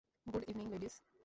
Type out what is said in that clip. Good evening, ladies.